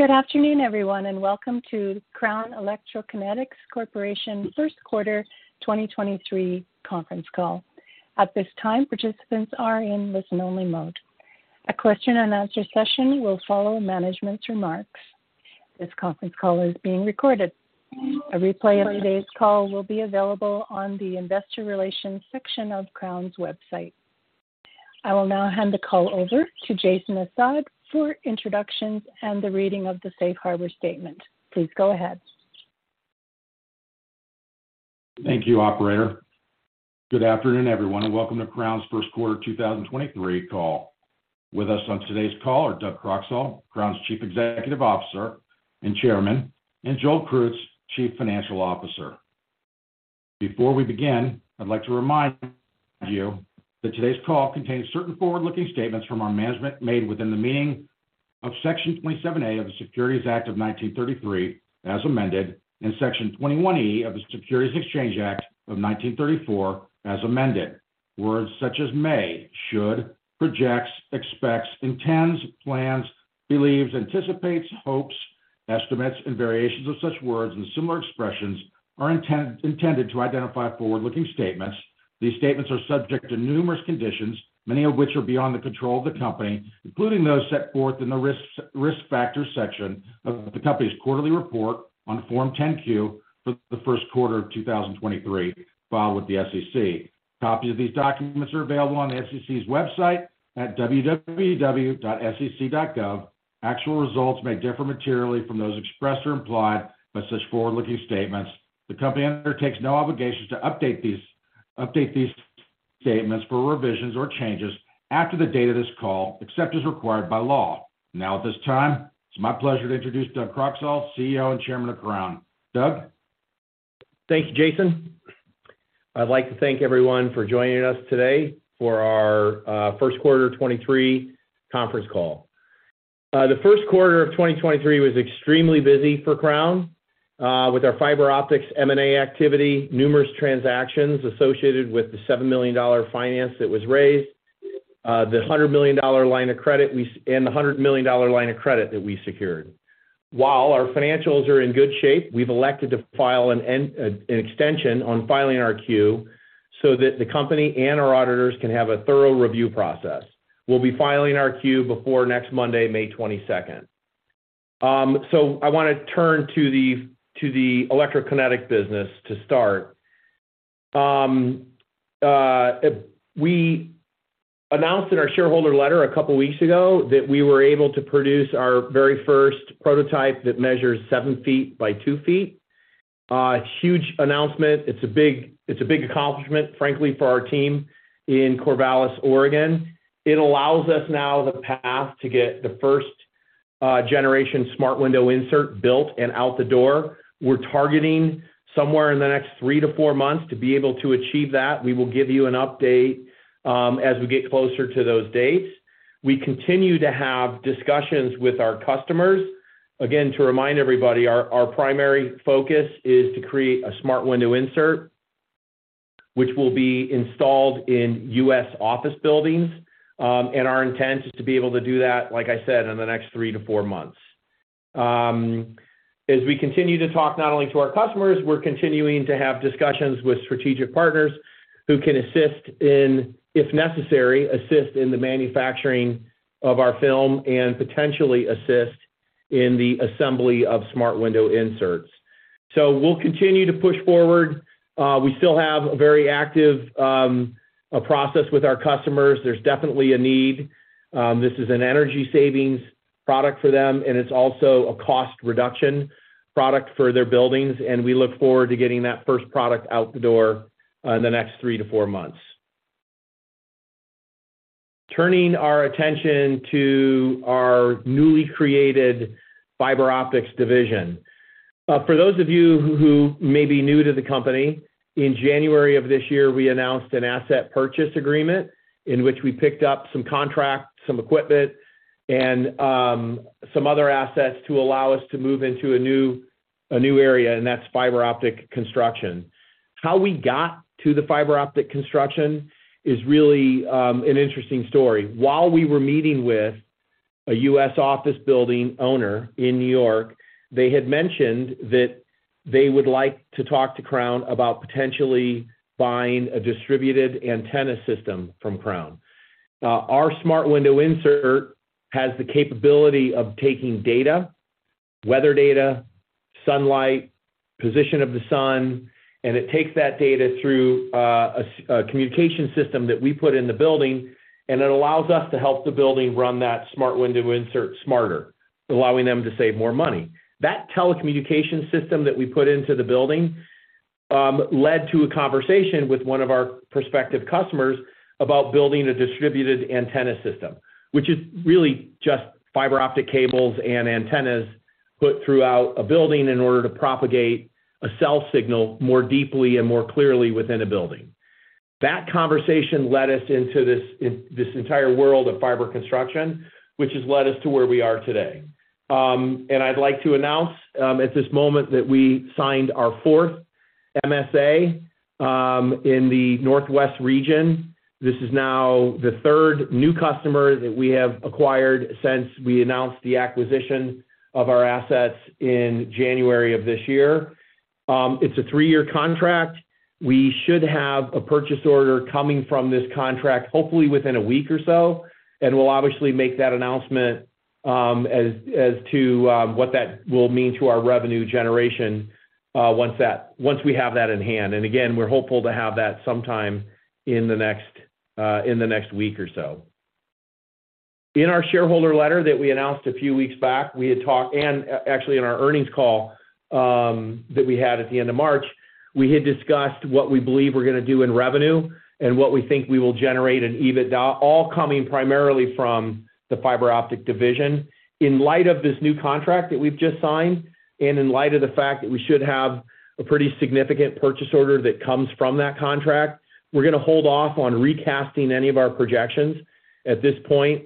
Good afternoon, everyone, welcome to Crown Electrokinetics Corp. Q1 2023 Conference Call. At this time, participants are in listen only mode. A question and answer session will follow management's remarks. This conference call is being recorded. A replay of today's call will be available on the investor relations section of Crown's website. I will now hand the call over to Jason Assad for introductions and the reading of the safe harbor statement. Please go ahead. Thank you, operator. Good afternoon, everyone, welcome to Crown's Q1 2023 Call. With us on today's call are Doug Croxall, Crown's Chief Executive Officer and Chairman, and Joel Krutz, Chief Financial Officer. Before we begin, I'd like to remind you that today's call contains certain forward-looking statements from our management made within the meaning of Section 27A of the Securities Act of 1933, as amended, and Section 21E of the Securities Exchange Act of 1934, as amended. Words such as may, should, projects, expects, intends, plans, believes, anticipates, hopes, estimates, and variations of such words and similar expressions are intended to identify forward-looking statements. These statements are subject to numerous conditions, many of which are beyond the control of the company, including those set forth in the risks, risk factors section of the company's quarterly report on Form 10-Q for the Q1 of 2023, filed with the SEC. Copies of these documents are available on the SEC's website at www.sec.gov. Actual results may differ materially from those expressed or implied by such forward-looking statements. The company undertakes no obligation to update these statements for revisions or changes after the date of this call, except as required by law. At this time, it's my pleasure to introduce Doug Croxall, CEO and Chairman of Crown. Doug? Thank you, Jason. I'd like to thank everyone for joining us today for our Q1 2023 Conference Call. The Q1 of 2023 was extremely busy for Crown with our fiber optics M&A activity, numerous transactions associated with the $7 million finance that was raised, and the $100 million line of credit that we secured. While our financials are in good shape, we've elected to file an extension on filing our Q so that the company and our auditors can have a thorough review process. We'll be filing our Q before next Monday, May 22nd. I wanna turn to the Electrokinetic business to start. We announced in our shareholder letter a couple weeks ago that we were able to produce our very first prototype that measures seven feet by two feet. It's huge announcement. It's a big accomplishment, frankly, for our team in Corvallis, Oregon. It allows us now the path to get the first generation Smart Window Insert built and out the door. We're targeting somewhere in the next three to four months to be able to achieve that. We will give you an update as we get closer to those dates. We continue to have discussions with our customers. To remind everybody, our primary focus is to create a Smart Window Insert, which will be installed in U.S. office buildings. Our intent is to be able to do that, like I said, in the next three to four months. As we continue to talk not only to our customers, we're continuing to have discussions with strategic partners who can assist in, if necessary, assist in the manufacturing of our film and potentially assist in the assembly of Smart Window Inserts. We'll continue to push forward. We still have a very active process with our customers. There's definitely a need. This is an energy savings product for them, and it's also a cost reduction product for their buildings. We look forward to getting that first product out the door in the next three to four months. Turning our attention to our newly created fiber optics division. For those of you who may be new to the company, in January of this year, we announced an asset purchase agreement in which we picked up some contracts, some equipment, and some other assets to allow us to move into a new, a new area, and that's fiber optic construction. How we got to the fiber optic construction is really an interesting story. While we were meeting with a U.S. office building owner in New York, they had mentioned that they would like to talk to Crown about potentially buying a distributed antenna system from Crown. Our Smart Window Insert has the capability of taking data, weather data, sunlight, position of the sun, and it takes that data through a communication system that we put in the building, and it allows us to help the building run that Smart Window Insert smarter, allowing them to save more money. That telecommunication system that we put into the building led to a conversation with one of our prospective customers about building a distributed antenna system, which is really just fiber optic cables and antennas put throughout a building in order to propagate a cell signal more deeply and more clearly within a building. That conversation led us into this entire world of fiber construction, which has led us to where we are today. I'd like to announce at this moment that we signed our fourth MSA in the Northwest region. This is now the third new customer that we have acquired since we announced the acquisition of our assets in January of this year. It's a three-year contract. We should have a purchase order coming from this contract, hopefully within one week or so, and we'll obviously make that announcement as to what that will mean to our revenue generation once we have that in hand. Again, we're hopeful to have that sometime in the next one week or so. In our shareholder letter that we announced a few weeks back, we had talked. Actually, in our earnings call that we had at the end of March, we had discussed what we believe we're gonna do in revenue and what we think we will generate in EBITDA, all coming primarily from the fiber optic division. In light of this new contract that we've just signed, and in light of the fact that we should have a pretty significant purchase order that comes from that contract, we're gonna hold off on recasting any of our projections. At this point,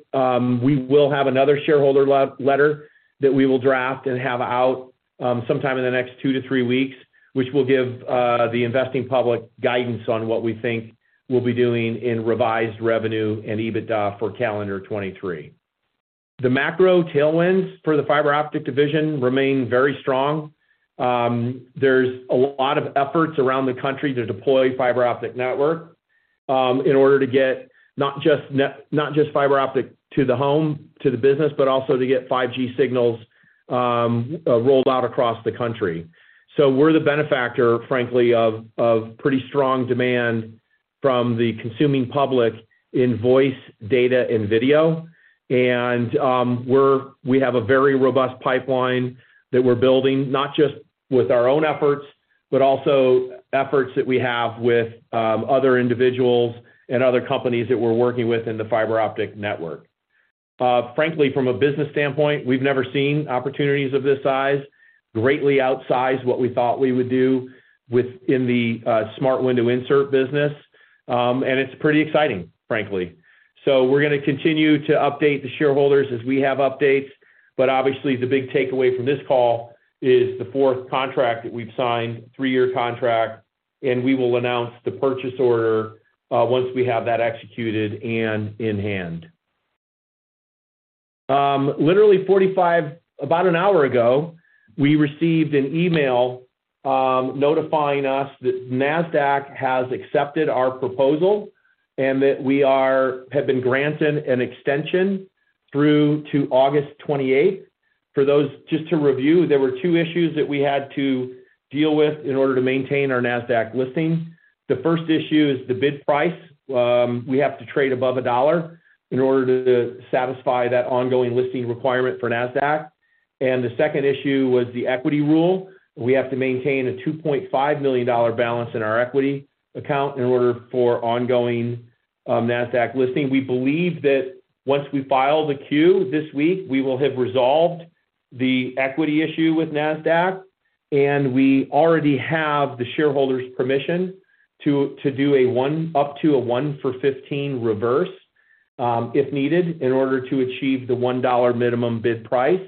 we will have another shareholder letter that we will draft and have out sometime in the next two to three weeks, which will give the investing public guidance on what we think we'll be doing in revised revenue and EBITDA for calendar 2023. The macro tailwinds for the fiber optic division remain very strong. There's a lot of efforts around the country to deploy fiber optic network, in order to get not just fiber optic to the home, to the business, but also to get 5G signals, rolled out across the country. We're the benefactor, frankly, of pretty strong demand from the consuming public in voice, data, and video. We have a very robust pipeline that we're building, not just with our own efforts, but also efforts that we have with other individuals and other companies that we're working with in the fiber optic network. Frankly, from a business standpoint, we've never seen opportunities of this size, greatly outsize what we thought we would do in the Smart Window Insert business. It's pretty exciting, frankly. We're gonna continue to update the shareholders as we have updates, but obviously the big takeaway from this call is the fourth contract that we've signed, three-year contract, and we will announce the purchase order once we have that executed and in hand. Literally about an hour ago, we received an email, notifying us that Nasdaq has accepted our proposal and that we have been granted an extension through to August 28th. For those, just to review, there were two issues that we had to deal with in order to maintain our Nasdaq listing. The first issue is the bid price. We have to trade above $1 in order to satisfy that ongoing listing requirement for Nasdaq. The second issue was the equity rule. We have to maintain a $2.5 million balance in our equity account in order for ongoing Nasdaq listing. We believe that once we file the Q this week, we will have resolved the equity issue with Nasdaq. We already have the shareholders' permission to do up to a one for 15 reverse, if needed, in order to achieve the $1 minimum bid price.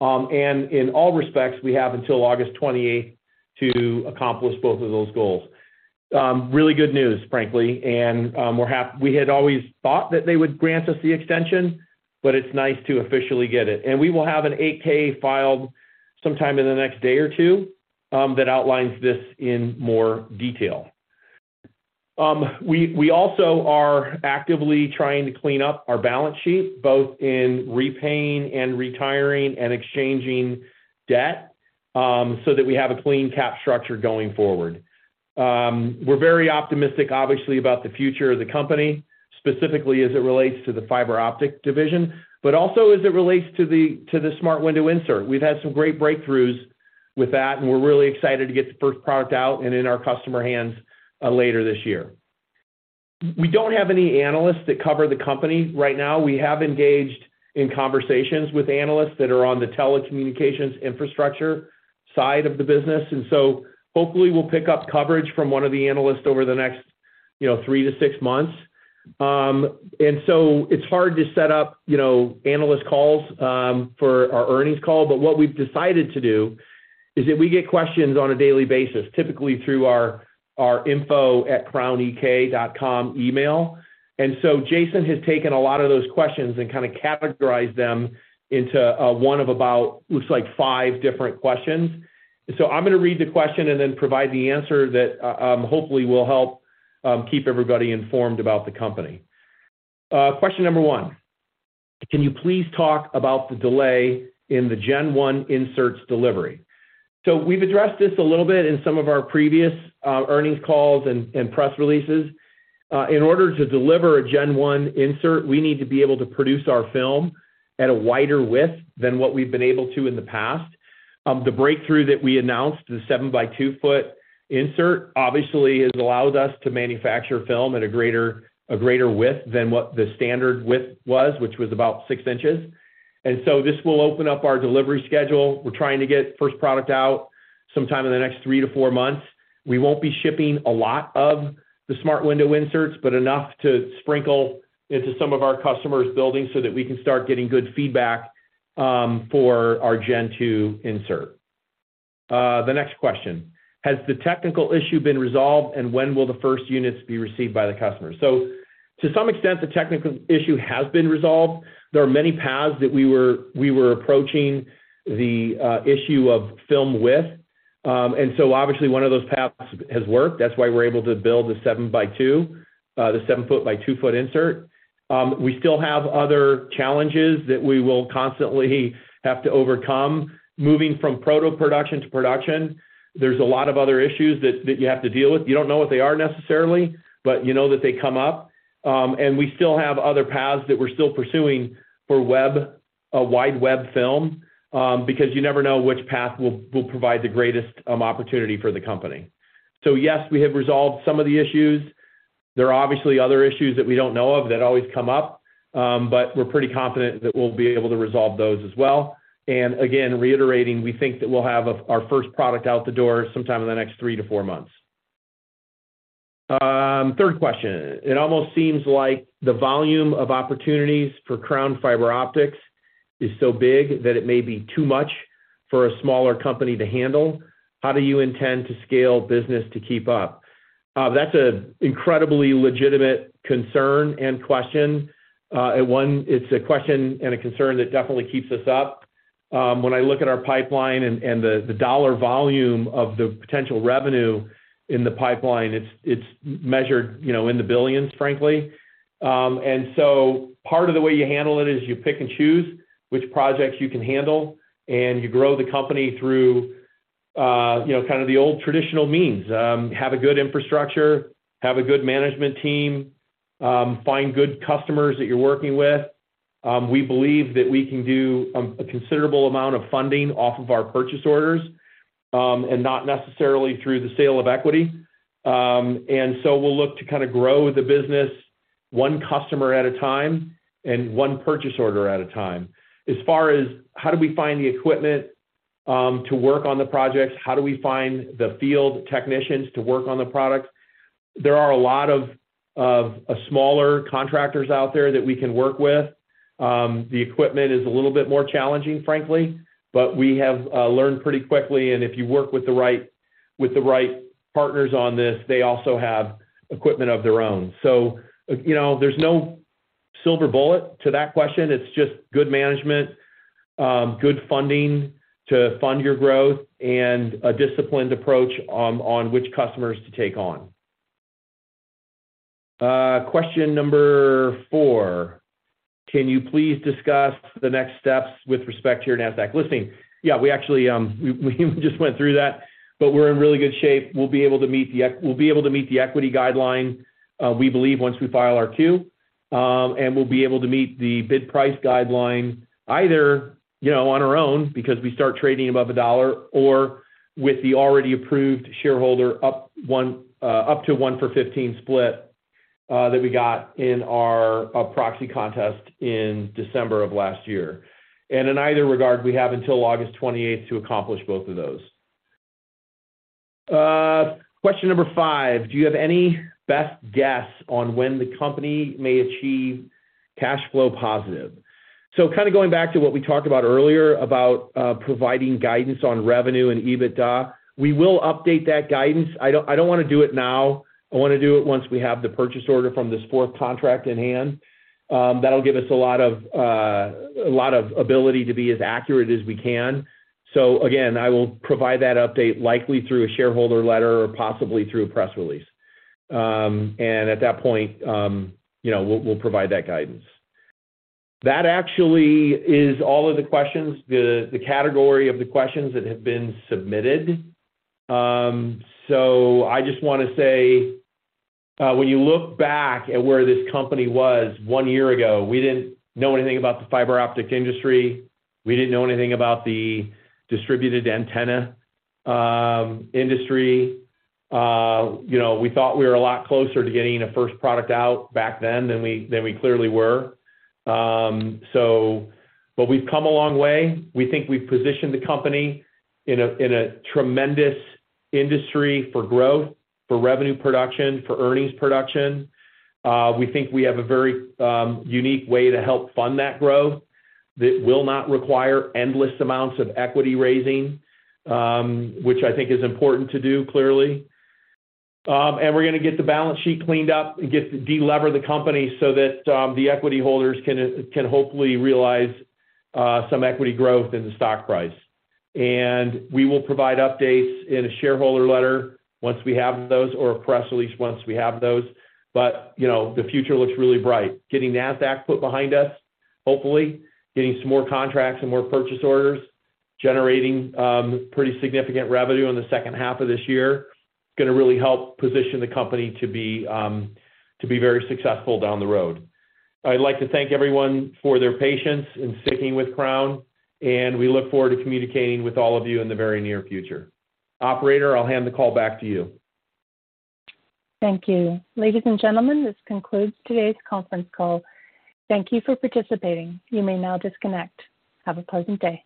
In all respects, we have until August 28th to accomplish both of those goals. Really good news, frankly. We had always thought that they would grant us the extension, it's nice to officially get it. We will have an 8-K filed sometime in the next day or two that outlines this in more detail. We also are actively trying to clean up our balance sheet, both in repaying and retiring and exchanging debt, so that we have a clean cap structure going forward. We're very optimistic, obviously, about the future of the company, specifically as it relates to the fiber optic division, but also as it relates to the Smart Window Insert. We've had some great breakthroughs with that, and we're really excited to get the first product out and in our customer hands later this year. We don't have any analysts that cover the company right now. We have engaged in conversations with analysts that are on the telecommunications infrastructure side of the business. Hopefully we'll pick up coverage from one of the analysts over the next, you know, three to six months. It's hard to set up, you know, analyst calls for our earnings call. We've decided to do is that we get questions on a daily basis, typically through our info@crownek.com email. Jason has taken a lot of those questions and kinda categorized them into one of about, looks like five different questions. I'm gonna read the question and then provide the answer that hopefully will help keep everybody informed about the company. Question number one: Can you please talk about the delay in the Gen 1 inserts delivery? We've addressed this a little bit in some of our previous earnings calls and press releases. In order to deliver a Gen 1 insert, we need to be able to produce our film at a wider width than what we've been able to in the past. The breakthrough that we announced, the seven by two foot insert, obviously has allowed us to manufacture film at a greater width than what the standard width was, which was about six inches. This will open up our delivery schedule. We're trying to get first product out sometime in the next three to four months. We won't be shipping a lot of the Smart Window Inserts, but enough to sprinkle into some of our customers' buildings so that we can start getting good feedback for our Gen 2 insert. The next question: Has the technical issue been resolved, and when will the first units be received by the customer? To some extent, the technical issue has been resolved. There are many paths that we were approaching the issue of film width. Obviously, one of those paths has worked. That's why we're able to build the seven by two, the seven foot by two foot insert. We still have other challenges that we will constantly have to overcome. Moving from proto-production to production, there's a lot of other issues that you have to deal with. You don't know what they are necessarily, but you know that they come up. We still have other paths that we're still pursuing for wide web film, because you never know which path will provide the greatest opportunity for the company. Yes, we have resolved some of the issues. There are obviously other issues that we don't know of that always come up. We're pretty confident that we'll be able to resolve those as well. Again, reiterating, we think that we'll have our first product out the door sometime in the next three to four months. Third question: It almost seems like the volume of opportunities for Crown Fiber Optics is so big that it may be too much for a smaller company to handle. How do you intend to scale business to keep up? That's an incredibly legitimate concern and question. One, it's a question and a concern that definitely keeps us up. When I look at our pipeline and the dollar volume of the potential revenue in the pipeline, it's measured, you know, in the billions, frankly. Part of the way you handle it is you pick and choose which projects you can handle, and you grow the company through, you know, kind of the old traditional means. Have a good infrastructure, have a good management team, find good customers that you're working with. We believe that we can do a considerable amount of funding off of our purchase orders, and not necessarily through the sale of equity. We'll look to kinda grow the business one customer at a time and one purchase order at a time. As far as how do we find the equipment to work on the projects, how do we find the field technicians to work on the products? There are a lot of smaller contractors out there that we can work with. The equipment is a little bit more challenging, frankly, but we have learned pretty quickly, and if you work with the right partners on this, they also have equipment of their own. you know, there's no silver bullet to that question. It's just good management, good funding to fund your growth, and a disciplined approach on which customers to take on. question number four: Can you please discuss the next steps with respect to your Nasdaq listing? Yeah we actually we just went through that, but we're in really good shape. We'll be able to meet the equity guideline, we believe once we file our two. We'll be able to meet the bid price guideline either, you know, on our own, because we start trading above $1, or with the already approved shareholder one-for-15 split that we got in our proxy contest in December of last year. In either regard, we have until August 28th to accomplish both of those. Question number five: Do you have any best guess on when the company may achieve cash flow positive? Kind of going back to what we talked about earlier about providing guidance on revenue and EBITDA, we will update that guidance. I don't wanna do it now. I wanna do it once we have the purchase order from this fourth contract in hand. That'll give us a lot of, a lot of ability to be as accurate as we can. Again, I will provide that update likely through a shareholder letter or possibly through a press release. At that point, you know, we'll provide that guidance. That actually is all of the questions, the category of the questions that have been submitted. I just wanna say, when you look back at where this company was one year ago, we didn't know anything about the fiber optic industry. We didn't know anything about the distributed antenna industry. You know, we thought we were a lot closer to getting a first product out back then than we, than we clearly were. We've come a long way. We think we've positioned the company in a tremendous industry for growth, for revenue production, for earnings production. We think we have a very unique way to help fund that growth that will not require endless amounts of equity raising, which I think is important to do, clearly. We're gonna get the balance sheet cleaned up and delever the company so that the equity holders can hopefully realize some equity growth in the stock price. We will provide updates in a shareholder letter once we have those or a press release once we have those. You know, the future looks really bright. Getting Nasdaq put behind us, hopefully, getting some more contracts and more purchase orders, generating pretty significant revenue on the second half of this year, it's gonna really help position the company to be very successful down the road. I'd like to thank everyone for their patience in sticking with Crown, and we look forward to communicating with all of you in the very near future. Operator, I'll hand the call back to you. Thank you. Ladies and gentlemen, this concludes today's conference call. Thank you for participating. You may now disconnect. Have a pleasant day.